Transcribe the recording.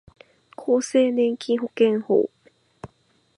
厚生年金保険法